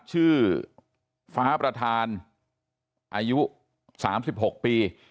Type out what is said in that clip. ชื่อฟ้าประธานอายุ๓๖ปี